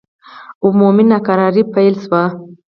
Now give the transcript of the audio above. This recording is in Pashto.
عمومي ناکراري پیل شوه.